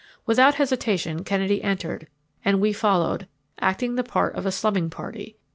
Without hesitation Kennedy entered, and we followed, acting the part of a slumming party.